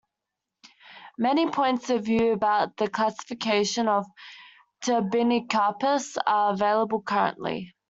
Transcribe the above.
Many points of view about the classification of "Turbinicarpus" are available currently.